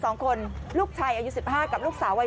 โรดเจ้าเจ้าเจ้าเจ้าเจ้าเจ้าเจ้าเจ้าเจ้าเจ้า